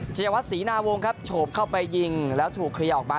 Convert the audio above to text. เจียวัฒน์ศรีนาวงค์ครับโฉบเข้าไปยิงแล้วถูกคลีออกมา